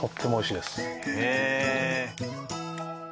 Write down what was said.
へえ。